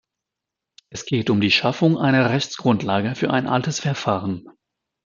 Es geht um die Schaffung einer Rechtsgrundlage für ein altes Verfahren.